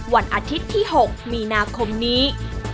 วันอาทิตย์ที่๖มีนาคมนี้